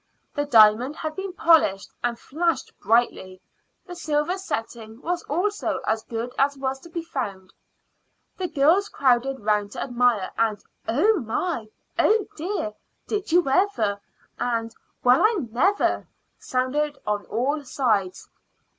The diamond had been polished, and flashed brightly; the silver setting was also as good as was to be found. The girls crowded round to admire, and "Oh, my!" "Oh, dear!" "Did you ever?" and "Well, I never!" sounded on all sides.